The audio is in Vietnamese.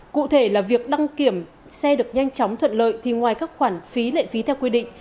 cụ thể là việc đăng kiểm xe được nhanh chóng thuận lợi thì ngoài các khoản phí lệ phí theo quy định